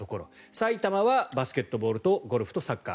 埼玉はバスケットボールとゴルフとサッカー。